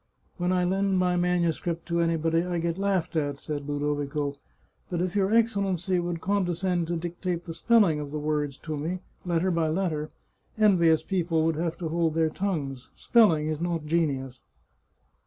" When I lend my manuscript to anybody I get laughed at," said Ludovico. " But if your Excellency would con descend to dictate the spelling of the words to me, letter by letter, envious people would have to hold their tongues. Spelling is not genius."